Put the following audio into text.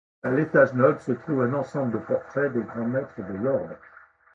À l'étage noble se trouve un ensemble de portraits des grands maîtres de l'Ordre.